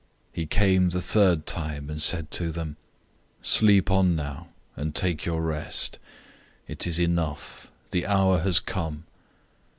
014:041 He came the third time, and said to them, "Sleep on now, and take your rest. It is enough. The hour has come.